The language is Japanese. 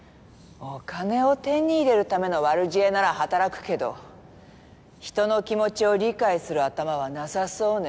お金を手に入れるための悪知恵なら働くけど人の気持ちを理解する頭はなさそうね。